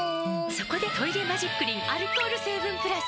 そこで「トイレマジックリン」アルコール成分プラス！